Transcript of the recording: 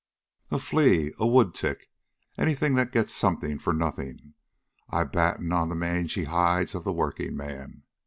"A flea, a woodtick, anything that gets something for nothing. I batten on the mangy hides of the workingmen.